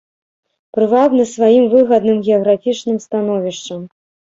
Прывабны сваім выгадным геаграфічным становішчам.